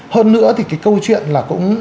hơn nữa thì cái câu chuyện là cũng